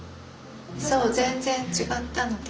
そう全然違ったので。